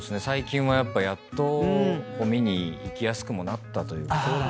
最近はやっぱやっと見に行きやすくもなったというか。